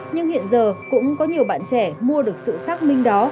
nhưng hiện giờ cũng có nhiều bạn trẻ mua được sự xác minh đó